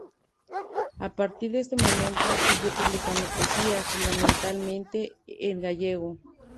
A partir de ese momento, siguió publicando poesía, fundamentalmente en gallego.